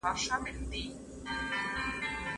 استاد پسرلی خپل اولاد هم ادب ته وهڅاوه.